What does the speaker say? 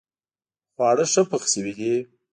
خواړه ښه پخ شوي دي